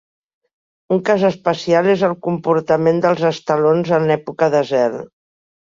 Un cas especial és el comportament dels estalons en època de zel.